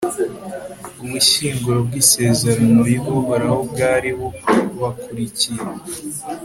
ubushyinguro bw'isezerano ry'uhoraho bwari bubakurikiye